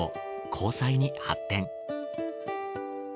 交際に発展。